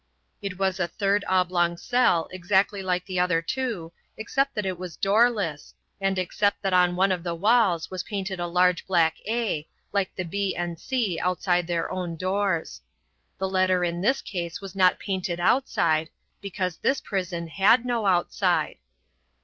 It was a third oblong cell exactly like the other two except that it was doorless, and except that on one of the walls was painted a large black A like the B and C outside their own doors. The letter in this case was not painted outside, because this prison had no outside.